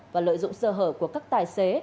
và lợi dụng sơ hở của các tài xế